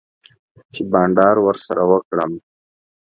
چی بانډار ورسره وکړم